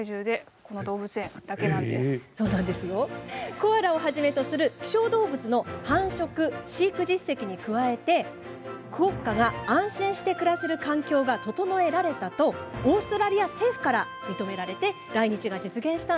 コアラをはじめとする希少動物の繁殖、飼育実績に加えクオッカが安心して暮らせる環境が整えられたとオーストラリア政府から認められ来日が実現しました。